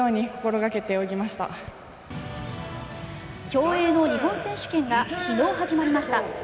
競泳の日本選手権が昨日、始まりました。